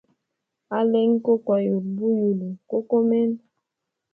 Alenge koukwaya buyulu ko komena.